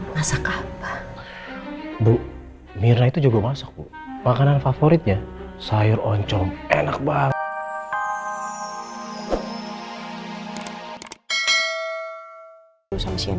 masak apa bu mirna itu juga masuk makanan favoritnya sayur oncom enak banget